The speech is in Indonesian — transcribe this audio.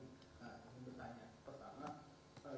nah saya mau bertanya pertama